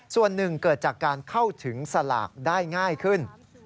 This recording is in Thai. ส่วนหนึ่งเกิดจากการเข้าถึงสลากได้ง่ายขึ้น